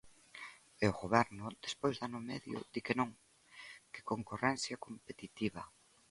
E o Goberno, despois de ano e medio, di que non, que concorrencia competitiva.